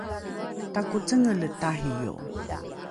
takocengele tario